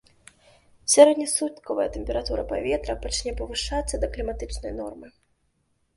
Сярэднесуткавая тэмпература паветра пачне павышацца да кліматычнай нормы.